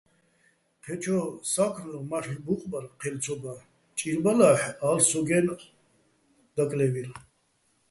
ჴეჩო სა́ქმლო მარლ'ო ბუყბარ ჴელ ცო ბარ, ჭირბალა́ჰ̦ ა́ლ'ო̆ სო́გო̆-აჲნო̆, დაკლე́ვირ.